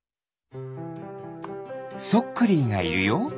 クリーがいるよ。